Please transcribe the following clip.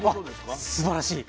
あすばらしい。